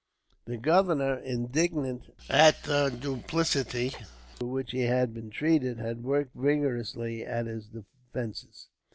The governor, indignant at the duplicity with which he had been treated, had worked vigorously at his defences.